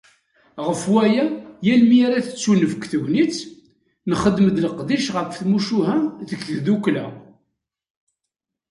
Ɣef waya, yal mi ara tettunefk tegnit, nxeddem-d leqdicat ɣef tmucuha deg tdukkla.